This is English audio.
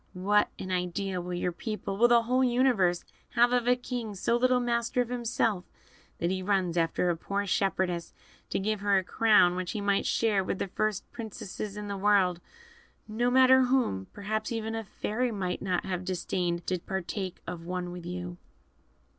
What an idea will your people will the whole universe have of a king so little master of himself that he runs after a poor shepherdess, to give her a crown which he might share with the first princesses in the world no matter whom: perhaps even a fairy might not have disdained to partake of one with you."